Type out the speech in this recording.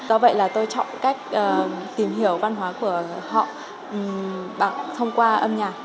do vậy là tôi chọn cách tìm hiểu văn hóa của họ thông qua âm nhạc